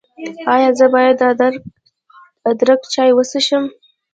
ایا زه باید د ادرک چای وڅښم؟